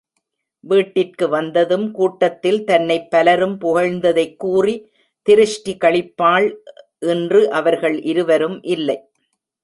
வீட்டிற்கு வந்ததும், கூட்டத்தில் தன்னை பலரும் புகழ்ந்ததைக் கூறி திருஷ்டி கழிப்பாள் இன்று அவர்கள் இருவரும் இல்லை.